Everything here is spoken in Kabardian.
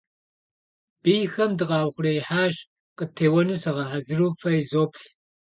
Бийхэм дыкъаухъуреихьащ, къыттеуэну загъэхьэзыру фэ изоплъ.